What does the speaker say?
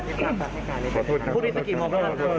ขอโทษครับขอโทษครับขอโทษครับ